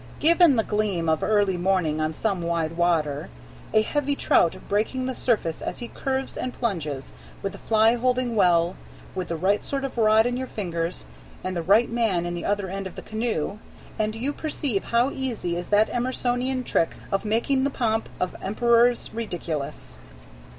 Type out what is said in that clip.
Given the gleam of early morning on some wide water, a heavy trout breaking the surface as he curves and plunges, with the fly holding well, with the right sort of rod in your fingers, and the right man in the other end of the canoe, and you perceive how easy is that Emersonian trick of making the pomp of emperors ridiculous.